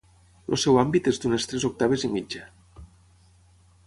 El seu àmbit és d'unes tres octaves i mitja.